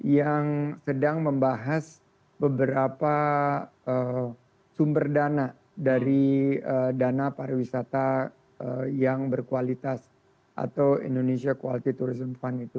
yang sedang membahas beberapa sumber dana dari dana pariwisata yang berkualitas atau indonesia quality tourism fund itu